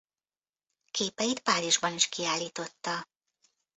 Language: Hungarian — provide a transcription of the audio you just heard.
Képeit Párizsban is kiállította.